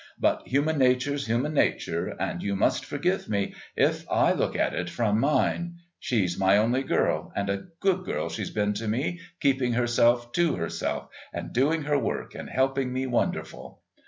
But human nature's human nature, and you must forgive me if I look at it from mine. She's my only girl, and a good girl she's been to me, keepin' herself to herself and doing her work and helping me wonderful.